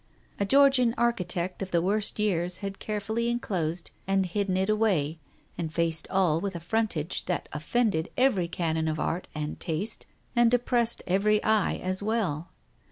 A Georgian architect of the worst years had carefully enclosed and hidden it away, and faced all with a frontage that offended every canon of art and taste and depressed every eye as well.